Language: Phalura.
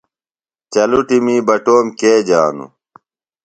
چلُٹِمیی بٹوم کے جانوۡ؟